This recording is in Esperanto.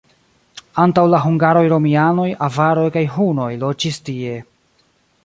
Antaŭ la hungaroj romianoj, avaroj kaj hunoj loĝis tie.